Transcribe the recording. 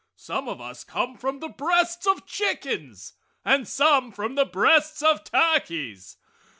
Some of us come from the breasts of chickens and some from the breasts of turkeys.